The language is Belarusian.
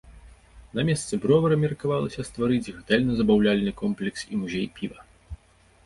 На месцы бровара меркавалася стварыць гатэльна-забаўляльны комплекс і музей піва.